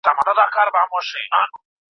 خپل ځان له رواني فشار څخه وساتئ.